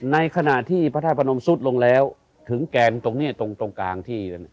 ในขณะที่พระท่านพระนมสุดลงแล้วถึงแกงตรงนี้ตรงตรงกลางที่